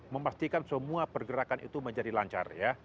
memastikan semua pergerakan itu menjadi lancar ya